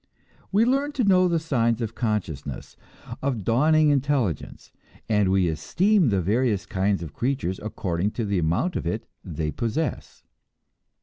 We learn to know the signs of consciousness, of dawning intelligence, and we esteem the various kinds of creatures according to the amount of it they possess.